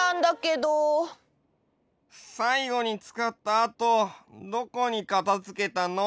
さいごにつかったあとどこにかたづけたの？